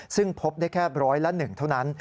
ซึ่งพบได้แค่ร้อยละ๑เท่านั้น